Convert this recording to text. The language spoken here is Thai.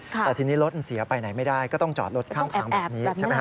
แต่ทีนี้รถเสียไปไหนไม่ได้ก็ต้องจอดรถข้างแบบนี้